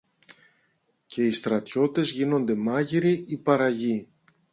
και οι στρατιώτες γίνονταν μάγειροι ή παραγιοί